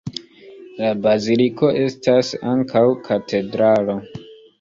La baziliko estas ankaŭ katedralo.